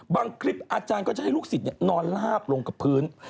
คลิปอาจารย์ก็จะให้ลูกศิษย์นอนลาบลงกับพื้น